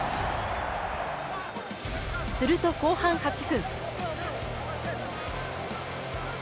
すると後半８分。